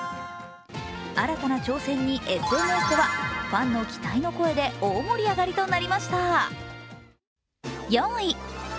新たな挑戦にＳＮＳではファンの期待の声で大盛り上がりとなりました。